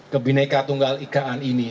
kebineka tunggal ikaan ini